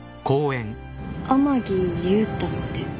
天樹勇太って。